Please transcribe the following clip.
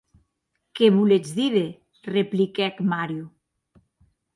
Qué voletz díder?, repliquèc Mario.